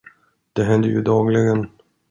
Det händer ju dagligen!